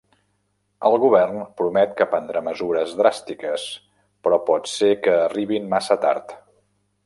El govern promet que prendrà mesures dràstiques, però pot ser que arribin massa tarda.